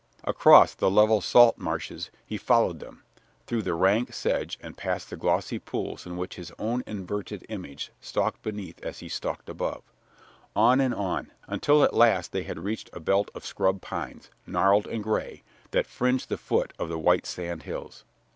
Across the level salt marshes he followed them, through the rank sedge and past the glassy pools in which his own inverted image stalked beneath as he stalked above; on and on, until at last they had reached a belt of scrub pines, gnarled and gray, that fringed the foot of the white sand hills.